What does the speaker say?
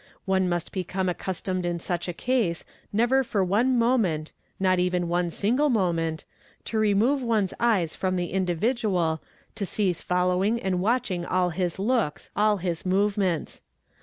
One must become accus tomed in such a case never for one moment, not even one single moment, — to remove one's eyes from the individual, to cease following and watch ing all his looks, all his movements.